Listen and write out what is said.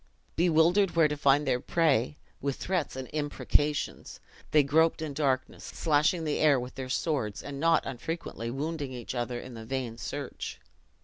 Bewildered where to find their prey, with threats and imprecations, they groped in darkness, slashing the air with their swords, and not unfrequently wounding each other in the vain search.